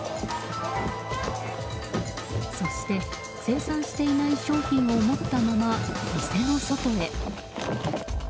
そして、精算していない商品を持ったまま店の外へ。